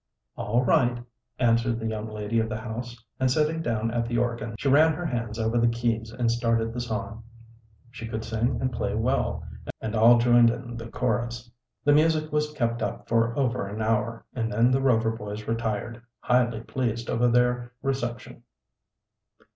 '" "All right," answered the young lady of the house, and sitting down at the organ she ran her hands over the keys and started the song. She could sing and play well, and all joined in the chorus. The music was kept up for over an hour, and then the Rover boys retired, highly pleased over their reception.